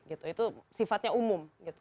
itu sifatnya umum